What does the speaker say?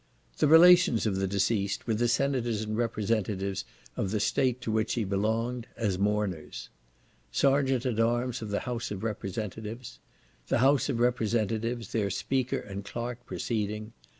The Relations of the deceased, with the Senators and Representatives of the State to which he belonged, as Mourners. Sergeant at arms of the House of Representatives. The House of Representatives, Their Speaker and Clerk preceding.